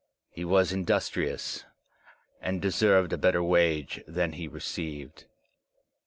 He was industrious, and deserved a better wage than he received.